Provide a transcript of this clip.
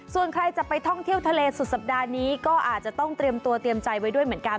ส่วนใครจะไปท่องเที่ยวทะเลสุดสัปดาห์นี้ก็อาจจะต้องเตรียมตัวเตรียมใจไว้ด้วยเหมือนกัน